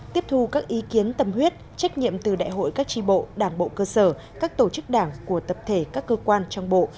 tiếp thu các ý kiến tâm huyết trách nhiệm từ đại hội các tri bộ đảng bộ cơ sở các tổ chức đảng của tập thể các cơ quan trong bộ